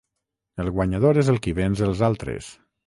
El guanyador és el qui venç els altres.